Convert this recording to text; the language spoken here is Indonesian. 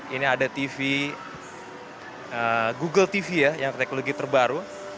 ini ada tv google tv ya yang teknologi terbaru